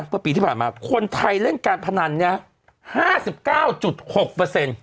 เมื่อปีที่ผ่านมาคนไทยเล่นการพนันเนี่ย๕๙๖เปอร์เซ็นต์